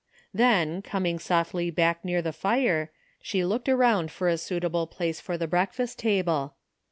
Then, coming softly back near the fire, she looked around for a suitable place for the break fast table.